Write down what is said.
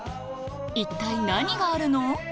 一体何があるの？